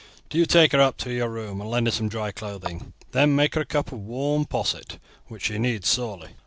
Do you take her up to your room and lend her some dry clothing; then make her a cup of warm posset, which she needs sorely.